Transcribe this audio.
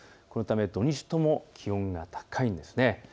このため土日とも気温が高いんです。